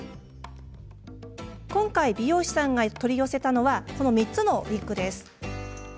今回、美容師さんが取り寄せたのは３つのウイッグ。